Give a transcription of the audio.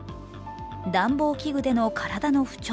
暖房器具での体の不調。